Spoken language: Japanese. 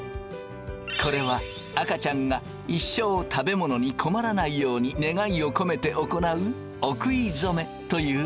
これは赤ちゃんが一生食べ物に困らないように願いを込めて行うお食い初めというお祝い。